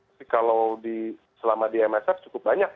tapi kalau selama di msf cukup banyak